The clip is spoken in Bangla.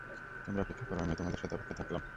তোমরা অপেক্ষা কর, আমিও তোমাদের সাথে অপেক্ষায় থাকলাম।